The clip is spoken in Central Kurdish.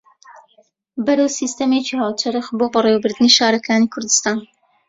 بەرەو سیستەمێکی هاوچەرخ بۆ بەڕێوەبردنی شارەکانی کوردستان